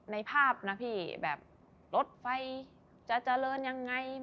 ในภาพนะพี่แบบรถไฟจะเจริญยังไง